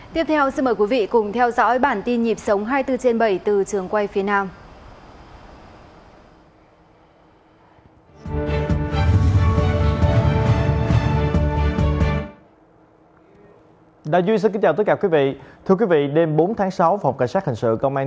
tiếp theo xin mời quý vị cùng theo dõi bản tin nhịp sống hai mươi bốn trên bảy từ trường quay phía nam